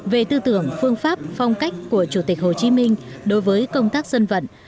về tư tưởng phương pháp phong cách của chủ tịch hồ chí minh đối với công tác dân vận